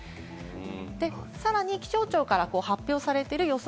さらに気象庁から発表されている予想